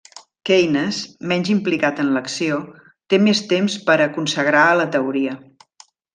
Keynes, menys implicat en l'acció, té més temps per a consagrar a la teoria.